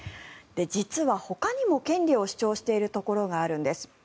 実はほかにも権利を主張しているところがあるんです。